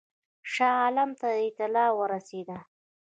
شاه عالم ته اطلاع ورسېده.